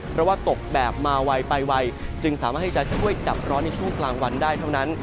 เพราะว่าตกแบบมาไวไปไวจึงสามารถให้จะช่วยดับร้อนในช่วงกลางวันได้เท่านั้น